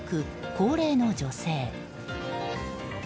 高齢の女性。